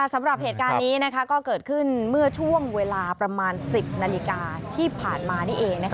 สำหรับเหตุการณ์นี้ก็เกิดขึ้นเมื่อช่วงเวลาประมาณ๑๐นาฬิกาที่ผ่านมานี่เอง